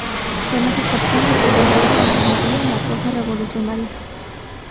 Donó su fortuna y perdió a su hijo Ángel María en la causa revolucionaria.